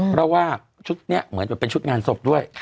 เพราะว่าชุดนี้เหมือนแบบเป็นชุดงานศพด้วย